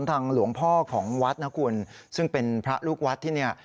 ถามทางหลวงพ่อของวัดนกุลซึ่งเป็นพระลูกวัดที่